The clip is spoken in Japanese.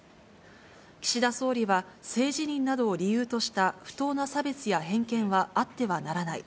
岸田総理は、性自認などを理由とした不当な差別や偏見はあってはならない。